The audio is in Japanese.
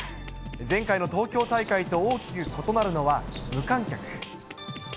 前回の東京大会と大きく異なるのは無観客。